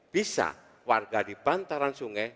bisa warga di bantaran sungai